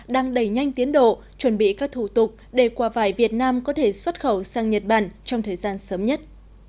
đang đẩy nhanh tiến độ chuẩn bị các thủ tục để quả vải việt nam có thể xuất khẩu sang nhật bản trong thời gian sớm nhất